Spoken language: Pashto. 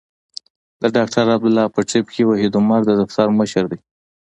د ډاکټر عبدالله په ټیم کې وحید عمر د دفتر مشر دی.